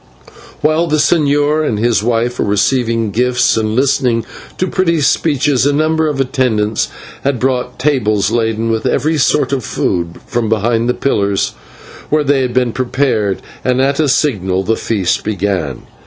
While the señor and his wife were receiving gifts and listening to pretty speeches, a number of attendants had brought tables laden with every kind of food from behind the pillars where they had been prepared, and at a signal the feast began.